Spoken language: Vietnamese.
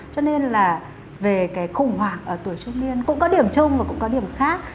cho nên là về cái khủng hoảng ở tuổi trung niên cũng có điểm chung và cũng có điểm khác